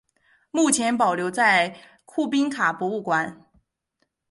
目前保存在库宾卡博物馆。